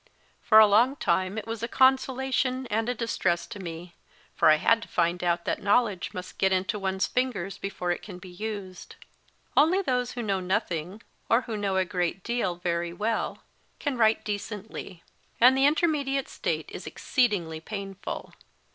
For a long time it was a con solation and a distress to me, for I had to find out that knowledge must get into one s fingers before it can be used. Only those who know nothing, or who know a great deal very well, can write decently, and the intermediate state is exceed ingly painful.